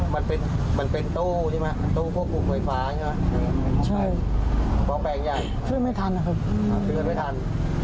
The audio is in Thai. บอกแปลงอย่างนี้ยังคือไม่ทันคือไม่ทัน